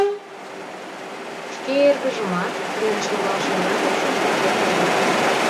Шке эргыжымат, пленыш логалше Якыпшым, шотлен огыл.